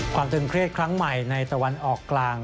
ตึงเครียดครั้งใหม่ในตะวันออกกลาง